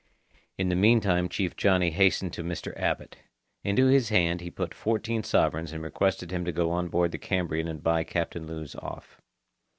In the meantime Chief Johnny hastened to Mr. Abbot. Into his hand he put fourteen sovereigns and requested him to go on board the Cambrian and buy Captain Lewes off.